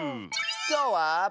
きょうは。